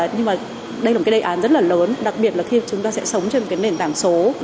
nhưng mà đây là một cái đề án rất là lớn đặc biệt là khi chúng ta sẽ sống trên một cái nền tảng số